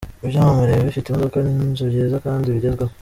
Ibyamamare biba bifite imodoka n’inzu byiza kandi bigezweho.